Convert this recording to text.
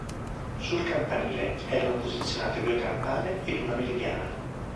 Sul campanile erano posizionate due campane ed una meridiana.